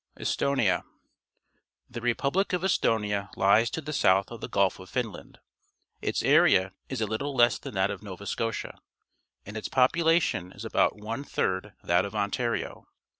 Estonia. — The republic of Estonia lies to the south of the Gulf of Finland'. Its area is a little less than that of Nova Scotia, and its population is about one third that of Ontario.